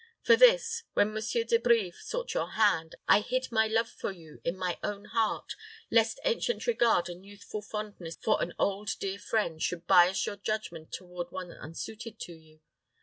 For this, when Monsieur De Brives sought your hand, I hid my love for you in my own heart, lest ancient regard and youthful fondness for an old dear friend, should bias your judgment toward one unsuited to you.